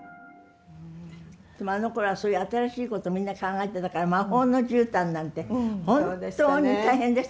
あのころはそういう新しいことをみんな考えてたから「魔法のじゅうたん」なんて本当に大変でした。